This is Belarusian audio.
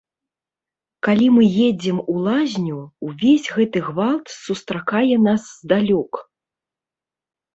Калі мы едзем у лазню, увесь гэты гвалт сустракае нас здалёк.